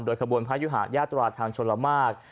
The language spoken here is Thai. โดยกระบวนพระยุหาญาตราทางชลมาก